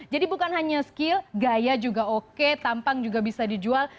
jadi bukan hanya skill gaya juga oke tampang juga bisa dijual